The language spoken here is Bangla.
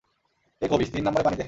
এ খবিশ, তিন নাম্বারে পানি দে।